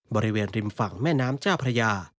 บริเวณริมฝั่งแม่น้ำเจ้าพระยา